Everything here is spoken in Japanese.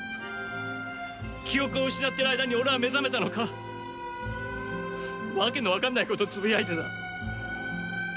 記憶を失ってる間に俺は目覚めたのか訳の分かんないことつぶやいてた。